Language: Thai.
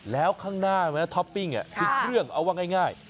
แล้วข้างหน้าเหมือนกับท็อปปิ้งทุกเครื่องเอาไว้ง่าย